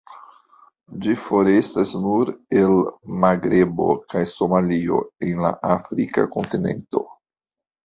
Ĝi forestas nur el Magrebo kaj Somalio en la afrika kontinento.